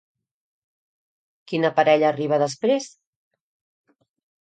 Quina parella arriba després?